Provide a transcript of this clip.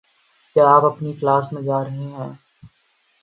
کیا آپ اپنی کلاس میں جا رہے ہیں؟